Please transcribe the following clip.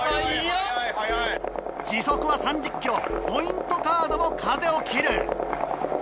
時速は３０キロポイントカードも風を切る。